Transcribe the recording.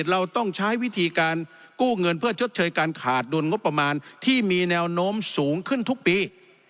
เราต้องใช้วิธีการกู้เงินเพื่อชดเชยการขาดดุลงบประมาณที่มีแนวโน้มสูงขึ้นทุกปี